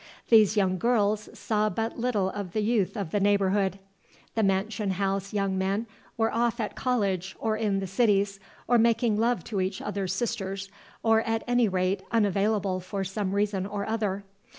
These young girls saw but little of the youth of the neighborhood. The mansion house young men were off at college or in the cities, or making love to each other's sisters, or at any rate unavailable for some reason or other.